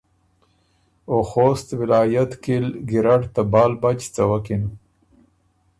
او خوست ولایت کی ګیرډ ته بال بچ څوَکِن۔